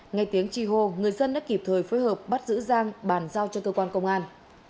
ngay tiếng chi hô người dân đã kịp thời phối hợp bắt giữ giang bàn giao cho cơ quan công an